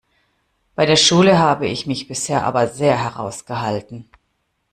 Bei der Schule habe ich mich bisher aber sehr heraus gehalten.